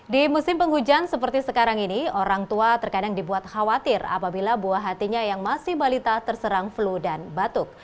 di musim penghujan seperti sekarang ini orang tua terkadang dibuat khawatir apabila buah hatinya yang masih balita terserang flu dan batuk